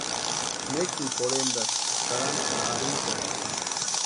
Nekini jorhentaski karani ka arhintani.